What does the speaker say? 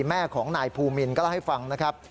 แม่ของนายภูมินก็เล่าให้ฟังนะครับ